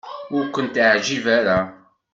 Ur kent-iɛejjeb ara.